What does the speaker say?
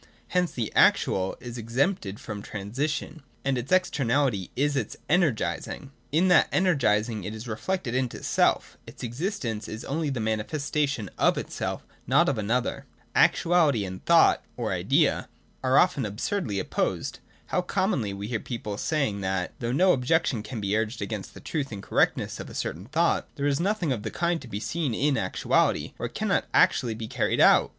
Hence the actual is exempted from transition, and its externality is its energising. In that energising it is reflected into itself: its exist ence is only the manifestation of itself, not of an other. Actuality and thought (or Idea) are often absurdly opposed. How commonly we hear people saying that, though no objection can be urged against the truth and correctness of a certain thought, there is nothing of the kind to be seen in actuality, or it cannot be actually carried out